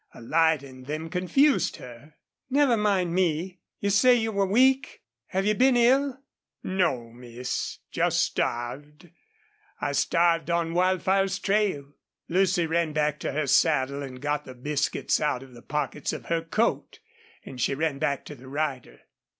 A light in them confused her. "Never mind me. You say you were weak? Have you been ill?" "No, miss, just starved.... I starved on Wildfire's trail." Lucy ran to her saddle and got the biscuits out of the pockets of her coat, and she ran back to the rider.